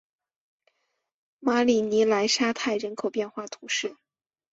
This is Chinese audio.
马里尼莱沙泰人口变化图示